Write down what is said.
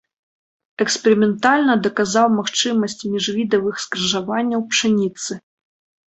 Эксперыментальна даказаў магчымасць міжвідавых скрыжаванняў пшаніцы.